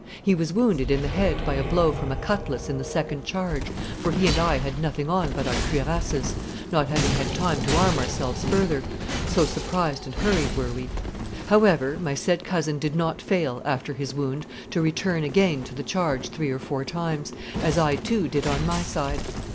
He was wounded in the head by a blow from a cutlass in the second charge, for he and I had nothing on but our cuirasses, not having had time to arm ourselves further, so surprised and hurried were we. However, my said cousin did not fail, after his wound, to return again to the charge three or four times, as I too did on my side.